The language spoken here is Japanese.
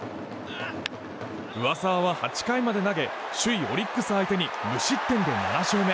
上沢は８回まで投げ首位オリックス相手に無失点で７勝目。